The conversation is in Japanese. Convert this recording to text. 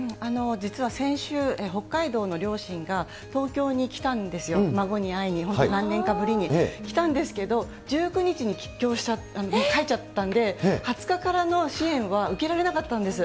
実は先週、北海道の両親が、東京に来たんですよ、孫に会いに、本当、何年かぶりに来たんですけど、１９日に帰京しちゃって、帰っちゃったんで、２０日からの支援は受けられなかったんです。